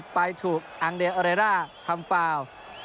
ไปถูกอังเดอร์อเรร่าทำฟาน